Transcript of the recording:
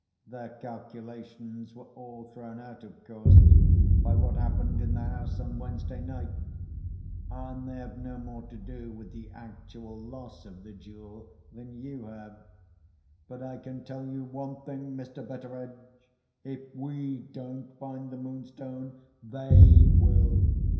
Their calculations were all thrown out, of course, by what happened in the house on Wednesday night; and they have no more to do with the actual loss of the jewel than you have. But I can tell you one thing, Mr. Betteredge—if we don't find the Moonstone, they will.